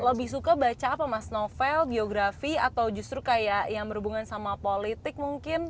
lebih suka baca apa mas novel geografi atau justru kayak yang berhubungan sama politik mungkin